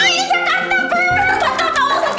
ini kan betah